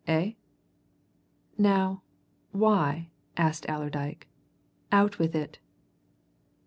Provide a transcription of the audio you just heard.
Eh?" "Now, why?" asked Allerdyke. "Out with it!"